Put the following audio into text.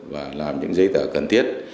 và làm những giấy tờ cần thiết